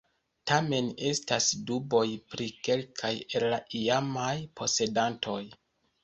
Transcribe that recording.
Tamen estas duboj pri kelkaj el la iamaj posedantoj.